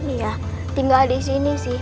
iya tinggal disini sih